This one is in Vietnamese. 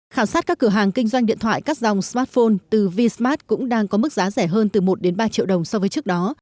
khảo sát các cửa hàng kinh doanh điện thoại các dòng smartphone từ vinmart cũng đang có mức giá rẻ hơn từ một ba triệu đồng so với trước đó